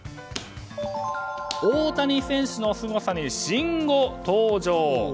大谷選手のスゴさに新語登場。